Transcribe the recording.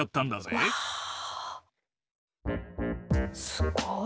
すごい。